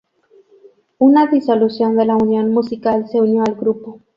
Una disolución de la Unión Musical se unió al grupo.